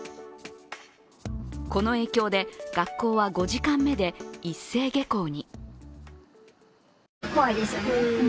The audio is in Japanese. この影響で学校は５時間目で一斉下校に。